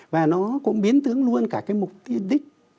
và nó cũng biến tướng luôn cả cái mục đích